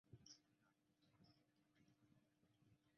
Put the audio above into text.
皮伊米克朗。